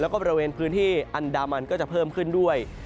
แล้วก็บริเวณพื้นที่อันดามันก็จะเพิ่มขึ้นด้วย